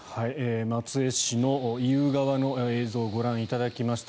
松江市の意宇川の映像をご覧いただきました。